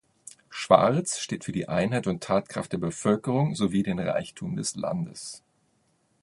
Schwarz steht für die Einheit und Tatkraft der Bevölkerung sowie den Reichtum des Landes.